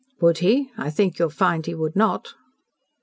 "Would he? I think you'll find he would not."